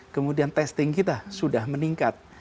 kemudian testing kita sudah meningkat